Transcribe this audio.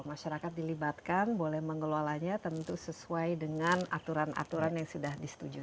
masyarakat dilibatkan boleh mengelolanya tentu sesuai dengan aturan aturan yang sudah disetujui